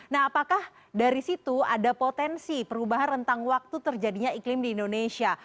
nah apakah dari situ ada potensi perubahan rentang waktu terjadinya iklim di indonesia